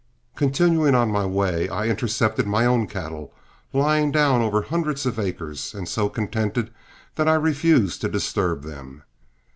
Continuing on my way, I intercepted my own cattle, lying down over hundreds of acres, and so contented that I refused to disturb them.